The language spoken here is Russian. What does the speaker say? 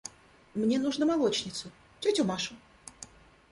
– Мне нужно молочницу, тетю Машу.